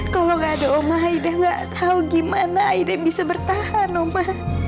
kalau gak ada oma aide gak tau gimana aida bisa bertahan oma